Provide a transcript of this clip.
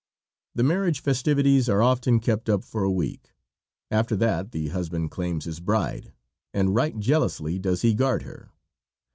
The marriage festivities are often kept up for a week. After that the husband claims his bride, and right jealously does he guard her.